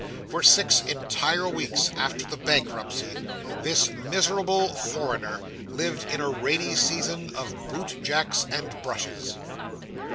For six entire weeks after the bankruptcy, this miserable foreigner lived in a rainy season of boot jacks and brushes.